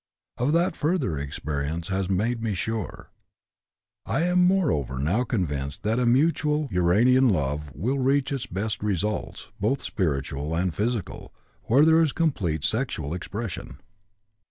Of that further experience has made me sure. I am, moreover, now convinced that a mutual uranian love will reach its best results, both spiritual and physical, where there is complete sexual expression.